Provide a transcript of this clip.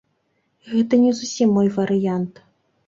Гэта не зусім мой варыянт.